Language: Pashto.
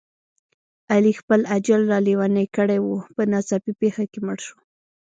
علي خپل اجل را لېونی کړی و، په ناڅاپي پېښه کې مړ شو.